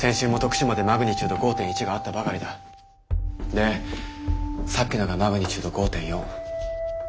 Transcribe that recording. でさっきのがマグニチュード５．４。